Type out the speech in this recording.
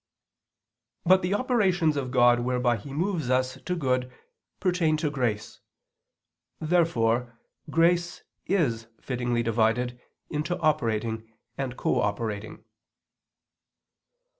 But the operations of God whereby He moves us to good pertain to grace. Therefore grace is fittingly divided into operating and cooperating.